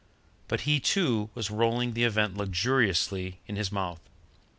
But he, too, was rolling the event luxuriously in his mouth.